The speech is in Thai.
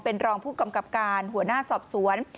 เป็นรองผู้กำกับการหัวหน้าสอบสวน